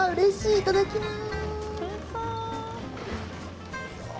いただきます。